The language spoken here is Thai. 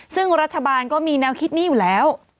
ซึ่งรัฐบาลก็มีแนวคิดนี้อยู่แล้ว